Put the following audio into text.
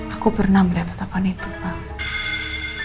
aku pernah melihat kapan itu pak